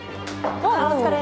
あお疲れ。